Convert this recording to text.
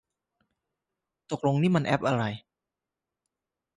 ตกลงนี่มันแอปอะไร